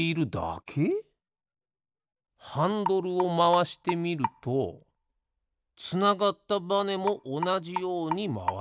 ハンドルをまわしてみるとつながったバネもおなじようにまわる。